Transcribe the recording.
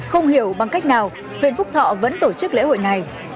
không hiểu bằng cách nào huyện phúc thọ vẫn tổ chức lễ hội này